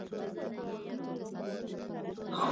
هیلې په المارۍ کې خپل کتابونه په ډېر ترتیب سره کېښودل.